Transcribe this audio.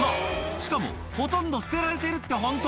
しかもほとんど捨てられているってホント？